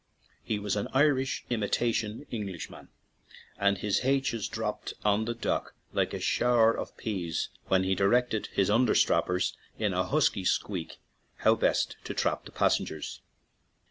He was an Irish imitation Englishman, and his h's dropped on the dock like a shower of peas when he directed his under strappers in a husky squeak how best to trap the passengers.